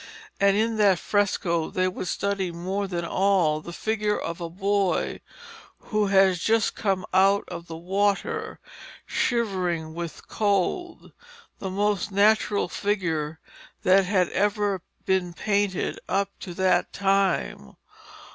And in that fresco they would study more than all the figure of a boy who has just come out of the water, shivering with cold, the most natural figure that had ever been painted up to that time.